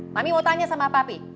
mami mau tanya sama papi